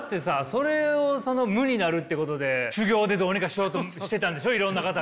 それをその無になるってことで修行でどうにかしようとしてたんでしょいろんな方が。